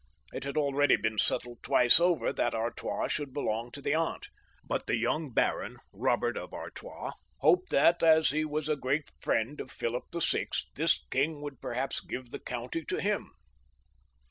It had already been settled twice over that Artois should belong to the aunt, but the young baron, Eobert of Artois, hoped that as he was a great friend of Philip VI., this king would perhaps give the county to him.